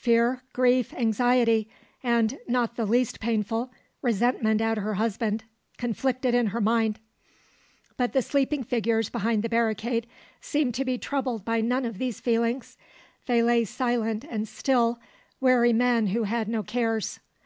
Fear, grief, anxiety, and, not the least painful, resentment at her husband conflicted in her mind. But the sleeping figures behind the barricade seemed to be troubled by none of these feelings; they lay silent and still, weary men who had no cares.